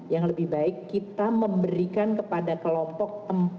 yang lebih baik kita memberikan kepada kelompok empat